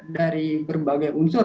dari berbagai unsur